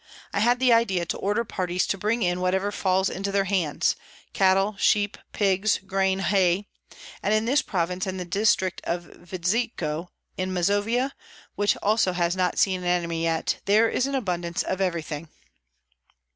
I had the idea to order parties to bring in whatever falls into their hands, cattle, sheep, pigs, grain, hay; and in this province and the district of Vidzko in Mazovia, which also has not seen an enemy yet, there is abundance of everything."